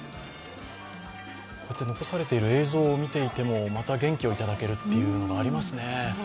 残されている映像を見ていても、また元気をいただけるって、ありますね。